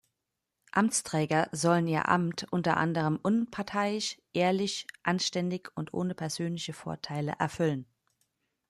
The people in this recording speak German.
Amtsträger sollen ihr Amt unter anderem unparteiisch, ehrlich, anständig und ohne persönliche Vorteile erfüllen.